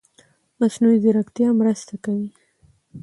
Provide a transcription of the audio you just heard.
مصنوعي ځيرکتیا مرسته کوي.